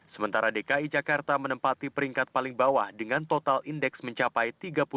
sementara dki jakarta menempati peringkat paling bawah dengan total indeks mencapai tiga puluh delapan